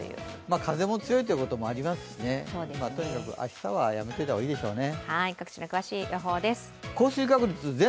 風も強いということもありますし、とにかく明日はやめておいた方がいいでしょうね。